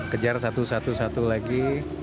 kejar satu satu satu lagi